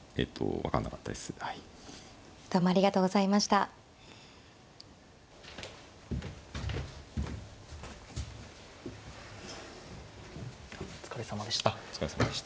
あっお疲れさまでした。